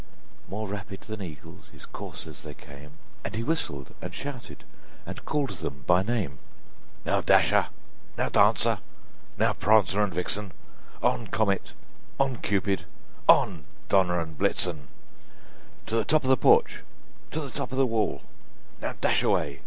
More rapid than eagles his coursers they came, And he whistled, and shouted, and called them by name: "Now, Dasher! now, Dancer! now, Prancer and Vixen! On, Comet! on, Cupid! on, Donder and Blitzen! To the top of the porch! to the top of the wall! Now dash away!